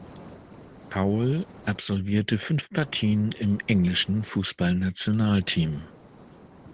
Powell absolvierte fünf Partien im englischen Fußballnationalteam.